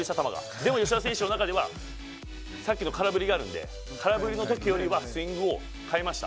でも吉田選手の中ではさっきの空振りがあるので空振りのときよりはスイングを変えました。